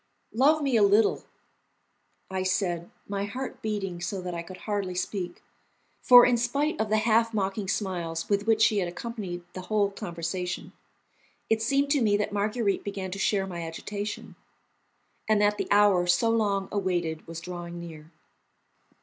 "Love me a little," I said, my heart beating so that I could hardly speak; for, in spite of the half mocking smiles with which she had accompanied the whole conversation, it seemed to me that Marguerite began to share my agitation, and that the hour so long awaited was drawing near.